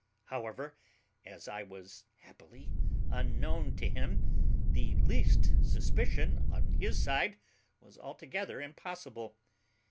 However, as I was happily unknown to him, the least suspicion on his side was altogether impossible.